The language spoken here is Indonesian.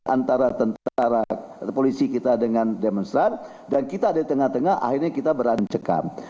antara tentara polisi kita dengan demonstran dan kita ada di tengah tengah akhirnya kita berancekam